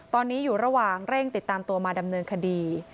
ตอนนี้อยู่ระหว่างเร่งติดตามตัวมาดำเนินคดี